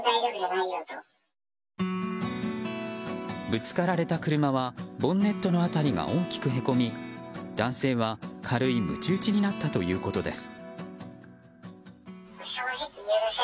ぶつかられた車はボンネットの辺りが大きくへこみ男性は軽いむち打ちになったということです。